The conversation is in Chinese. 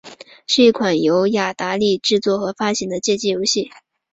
是一款由雅达利制作和发行的街机游戏。